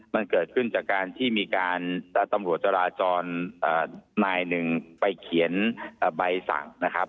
มันเกิดขึ้นจากการที่มีการตำรวจจราจรนายหนึ่งไปเขียนใบสั่งนะครับ